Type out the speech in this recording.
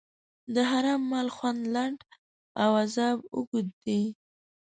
د حرام مال خوند لنډ او عذاب اوږد دی.